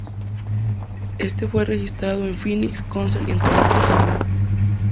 Este fue registrado en el Phoenix Concert Theatre en Toronto, Canadá.